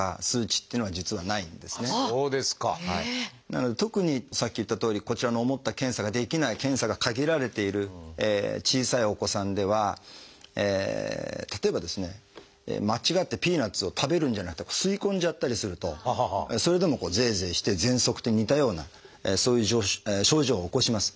なので特にさっき言ったとおりこちらの思った検査ができない検査が限られている小さいお子さんでは例えばですね間違ってピーナツを食べるんじゃなくて吸い込んじゃったりするとそれでもゼーゼーしてぜんそくと似たようなそういう症状を起こします。